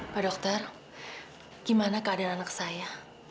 pak dokter gimana keadaan anak saya